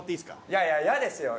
いやいや嫌ですよ